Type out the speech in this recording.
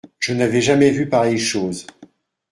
Je n’avais jamais vu pareille chose.